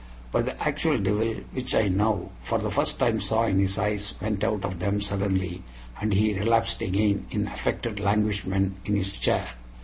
But the actual devil which I now for the first time saw in his eyes went out of them suddenly, and he relapsed again in affected languishment in his chair.